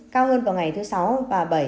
cao hơn vào ngày thứ sáu và bảy